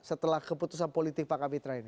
setelah keputusan politik pak kapitra ini